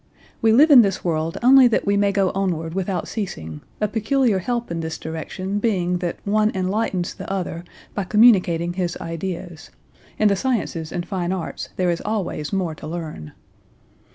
"We live in this world only that we may go onward without ceasing, a peculiar help in this direction being that one enlightens the other by communicating his ideas; in the sciences and fine arts there is always more to learn."